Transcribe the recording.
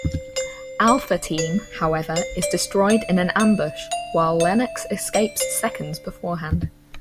Alpha Team, however, is destroyed in an ambush while Lennox escapes seconds beforehand.